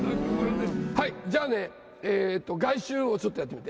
はい、じゃあね、外周をちょっとやってみて。